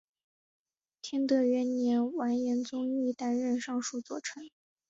天德元年完颜宗义担任尚书左丞。